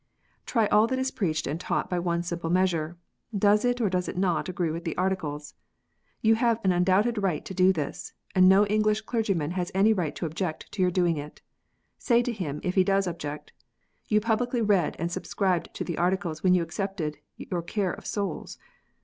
Try all that is preached and taught by one simple measure, does it or does it not agree with the Articles 1 You have an undoubted right to do this, and no English clergyman has any right to object to your doing it. Say to him, if he does object, " You publicly read and subscribed to the Articles when you accepted your cure of souls.